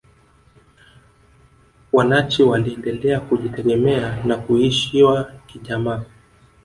wanachi waliendelea kujitegemea na kuishiwa kijamaa